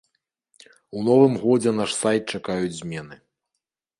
У новым годзе наш сайт чакаюць змены.